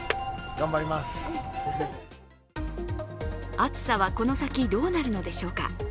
暑さはこの先、どうなるのでしょうか。